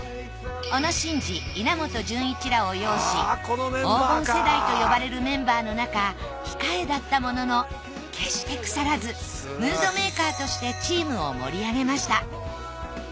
小野伸二稲本潤一らを擁し黄金世代と呼ばれるメンバーのなか控えだったものの決して腐らずムードメーカーとしてチームを盛り上げました。